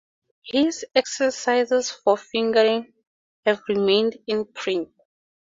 His "Exercises for Fingering" have remained in print.